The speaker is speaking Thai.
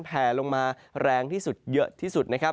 แผลลงมาแรงที่สุดเยอะที่สุดนะครับ